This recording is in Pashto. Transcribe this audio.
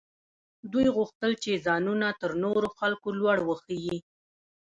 دوی غوښتل چې ځانونه تر نورو خلکو لوړ وښيي.